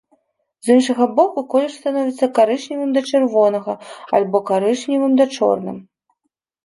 З іншага боку, колер становіцца карычневым да чырвонага альбо карычневым да чорным.